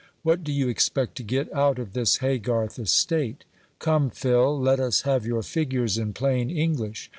What do you expect to get out of this Haygarth estate? Come, Phil, let us have your figures in plain English.